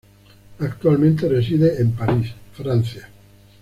Actualmente reside en París, Francia.